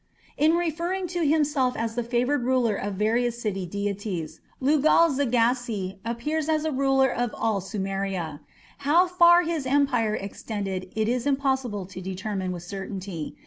In referring to himself as the favoured ruler of various city deities, Lugal zaggisi appears as a ruler of all Sumeria. How far his empire extended it is impossible to determine with certainty.